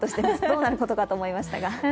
どうなることかと思いましたが。